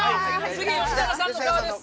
次吉永さんの側です。